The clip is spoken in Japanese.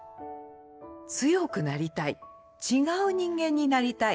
強くなりたい違う人間になりたい。